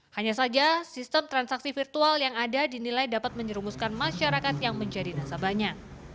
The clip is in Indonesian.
hanya saja sistem transaksi virtual yang ada dinilai dapat menyerumuskan masyarakat yang menjadi nasabahnya